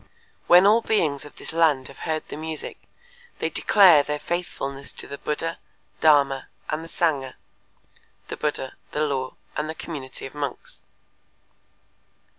When all beings of this land have heard the music, they declare their faithfulness to the Buddha, Dharma and the Sangha (the Buddha, the Law and the community of monks)."